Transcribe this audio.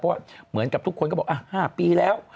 เพราะว่าเหมือนกับทุกคนก็บอก๕ปีแล้ว